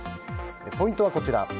ポイントはこちら。